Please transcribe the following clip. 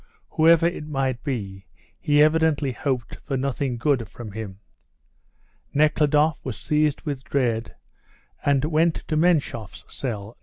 Whoever it might be, he evidently hoped for nothing good from him. Nekhludoff was seized with dread, and went to Menshoff's cell, No.